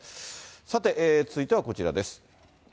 さて、続いてこちらです。